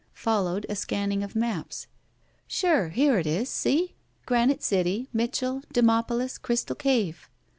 Followed a scanning of maps. "Sure! Here it is! See! Granite City. Mitchell. Demopolis. Crystal Cave."